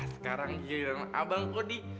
sekarang giliran abangku di